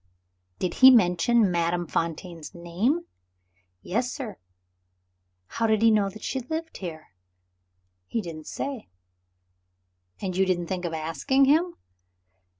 "Did he mention Madame Fontaine's name?" "Yes, sir." "How did he know that she lived here?" "He didn't say." "And you didn't think of asking him?"